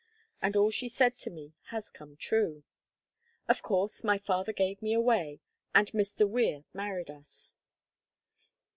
And all she said to me has come true. Of course, my father gave me away, and Mr. Weir married us.